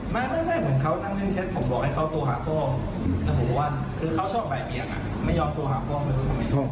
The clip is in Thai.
ถ้าผมบอกว่าคือเขาช่องใบเบียงไม่ยอมตัวหาพ่อไม่รู้ทำไม